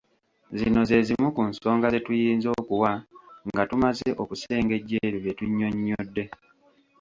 Zino ze zimu ku nsonga ze tuyinza okuwa nga tumaze okusengejja ebyo bye tunnyonnyodde.